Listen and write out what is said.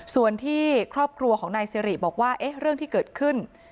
ส่วนที่ครอบครัวของนายสิริบอกว่าเรื่องที่เกิดขึ้น